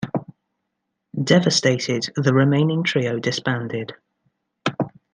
Devastated, the remaining trio disbanded.